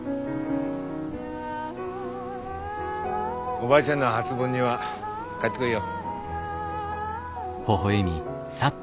おばあちゃんの初盆には帰ってこいよ。